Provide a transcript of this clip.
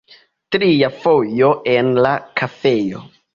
Tria fojo en la kafejo.